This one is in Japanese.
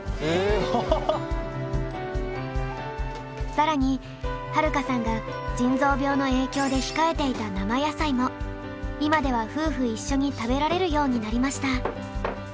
更にはるかさんが腎臓病の影響で控えていた生野菜も今では夫婦一緒に食べられるようになりました。